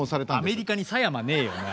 アメリカに狭山ねえよな。